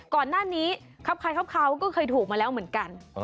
ก่อนหน้านี้ครับใครครับเขาก็เคยถูกมาแล้วเหมือนกัน